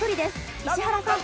石原さん。